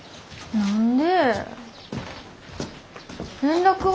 何で？